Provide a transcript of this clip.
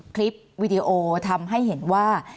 คลิปวีดีโอทำให้เห็นว่า